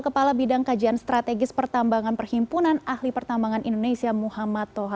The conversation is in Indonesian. kepala bidang kajian strategis pertambangan perhimpunan ahli pertambangan indonesia muhammad toha